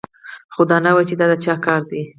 خو دا نه وايي چې دا د چا کار دی